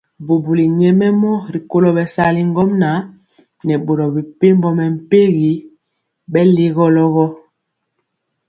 Bubuli nyɛmemɔ rikolo bɛsali ŋgomnaŋ nɛ boro mepempɔ mɛmpegi bɛlegolɔ.